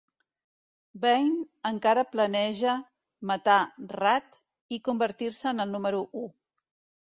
Bain encara planeja matar Rath i convertir-se en el número u.